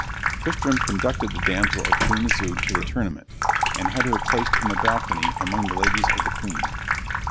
Tristram conducted the damsel of Queen Isoude to the tournament, and had her placed in the balcony among the ladies of the queen.